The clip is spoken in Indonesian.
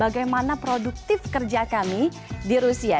bagaimana produktif kerja kami di rusia